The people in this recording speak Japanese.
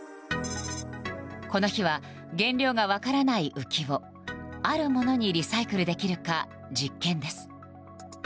この日は原料が分からない浮きをあるものにリサイクルできるか実験です。